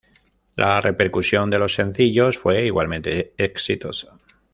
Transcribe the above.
La repercusión de los sencillos fue igualmente exitosa.